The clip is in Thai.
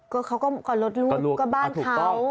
ก็เขาก็ลดลูกก็บ้านเขา